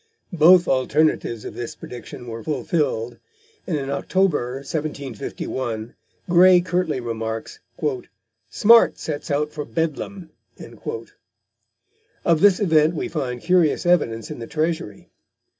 Both alternatives of this prediction were fulfilled, and in October, 1751, Gray curtly remarks: "Smart sets out for Bedlam." Of this event we find curious evidence in the Treasury.